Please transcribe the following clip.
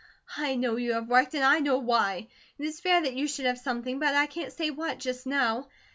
I know you have worked, and I know why. It is fair that you should have something, but I can't say what, just now.